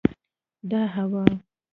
دا هوا